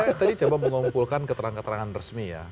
kita juga nulis soal keterangan keterangan resmi ya